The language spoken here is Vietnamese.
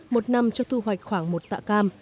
một năm cho thu hoạch khoảng một tạ cam